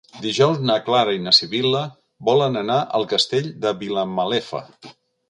Dijous na Clara i na Sibil·la volen anar al Castell de Vilamalefa.